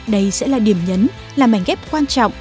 đây sẽ là điểm nhấn là mảnh ghép quan trọng